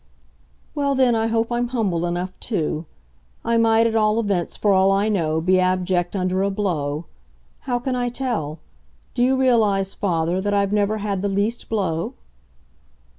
"Well then, I hope I'm humble enough too. I might, at all events, for all I know, be abject under a blow. How can I tell? Do you realise, father, that I've never had the least blow?"